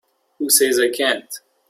Who says I can't?